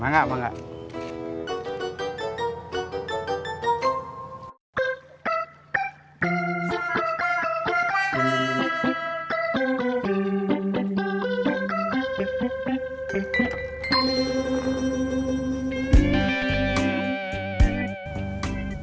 enggak enggak enggak enggak enggak